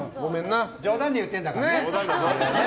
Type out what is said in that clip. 冗談で言ってるからね。